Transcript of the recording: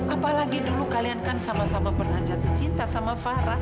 apalagi dulu kalian kan sama sama pernah jatuh cinta sama farah